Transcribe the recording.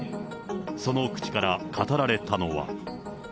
その口から語られたのは。